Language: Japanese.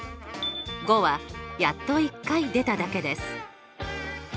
５はやっと１回出ただけです。